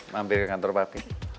mampir ke kantor papi